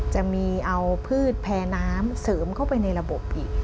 จะมีเอาพืชแพรน้ำเสริมเข้าไปในระบบอีก